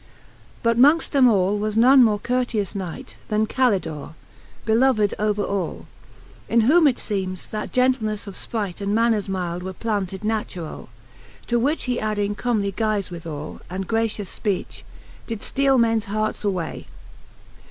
II. But mongft them all was none more courteous Knight, Then CaVtdore y beloved over allj In whom, it (eemes, that gentleneffe of fpright < And manners mylde were planted naturally To which he adding comely guize withall. And gracious fpeach, did fteale mens hearts away.